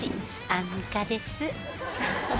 アンミカです